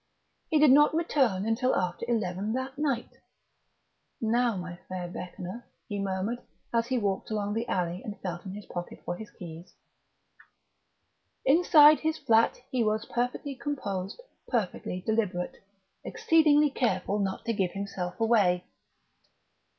He did not return until after eleven that night. "Now, my Fair Beckoner!" he murmured as he walked along the alley and felt in his pocket for his keys.... Inside his flat, he was perfectly composed, perfectly deliberate, exceedingly careful not to give himself away.